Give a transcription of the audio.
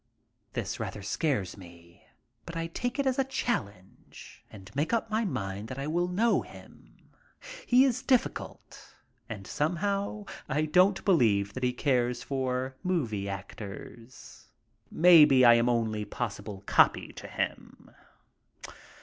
This rather scares me, but I take it as a challenge and make up my mind that I will know him. He is difficult, and, somehow, I don't believe that he cares for movie actors. Maybe I am only possible copy to him?